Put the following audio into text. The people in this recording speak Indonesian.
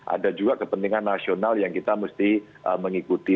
ada juga kepentingan nasional yang kita mesti mengikuti